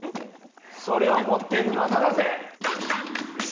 それを持っているのは流せ。